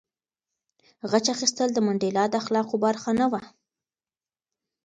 غچ اخیستل د منډېلا د اخلاقو برخه نه وه.